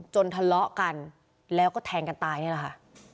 ทะเลาะกันแล้วก็แทงกันตายนี่แหละค่ะ